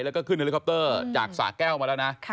แล้วก็ขึ้นเฮลิคอปเตอร์จากสะแก้วมาแล้วนะ